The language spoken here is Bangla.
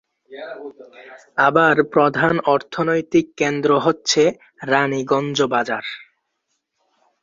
আবার প্রধান অর্থনৈতিক কেন্দ্র হচ্ছে রানীগঞ্জ বাজার।